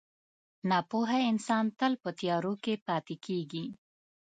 • ناپوهه انسان تل په تیارو کې پاتې کېږي.